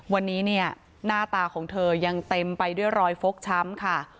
วันนี้เนี่ยหน้าตาของเธอยังเต็มไปด้วยรอยฟกช้ำค่ะ